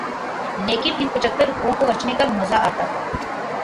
لیکن ان پچھتر روپوں کو خرچنے کا مزہ آتا تھا۔